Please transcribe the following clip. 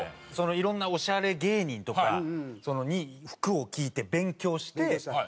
いろんなオシャレ芸人とかに服を聞いて勉強して。